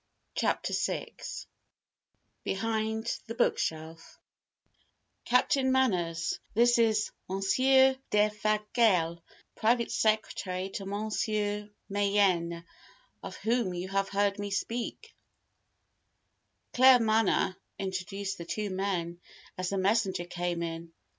CHAPTER VI BEHIND THE BOOKSHELF "Captain Manners, this is Monsieur Defasquelle, private secretary to Monsieur Mayen, of whom you have heard me speak," Claremanagh introduced the two men, as the messenger came in.